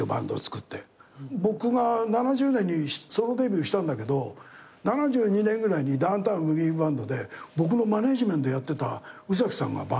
僕が７０年にソロデビューしたんだけど７２年ぐらいにダウン・タウン・ブギウギ・バンドで僕のマネジメントやってた宇崎さんがバンドで売れちゃって。